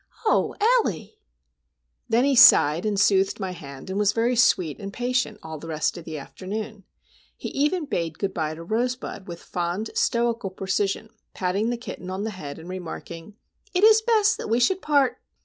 Oh, Ellie!" Then he sighed, and soothed my hand, and was very sweet and patient all the rest of the afternoon. He even bade good bye to Rosebud with fond stoical precision, patting the kitten on the head, and remarking: "It is best that we should part!"